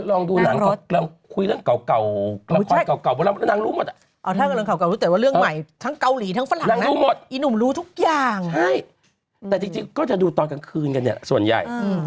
แต่จริงก็จะดูตอนกลางคืนเนี่ยส่วนใหญ่